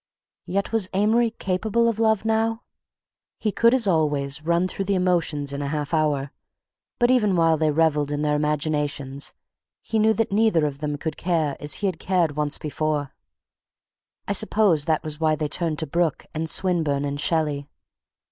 Yet was Amory capable of love now? He could, as always, run through the emotions in a half hour, but even while they revelled in their imaginations, he knew that neither of them could care as he had cared once before—I suppose that was why they turned to Brooke, and Swinburne, and Shelley.